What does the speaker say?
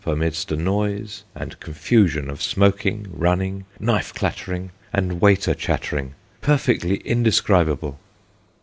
43 amidst a noise and confusion of smoking, running, knife clattering, and waiter chattering, perfectly indescribable.